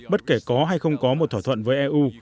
bất kể có hay không có một thỏa thuận với eu